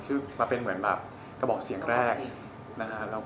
มาเป็นเหมือนแบบกระบอกเสียงแรกนะฮะ